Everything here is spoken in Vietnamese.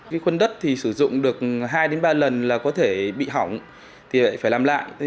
cái khuôn đất thì sử dụng được hai đến ba lần là có thể bị hỏng thì lại phải làm lại